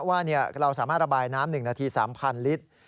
ว่าเราสามารถระบายน้ำ๑นาที๓๐๐ลิตร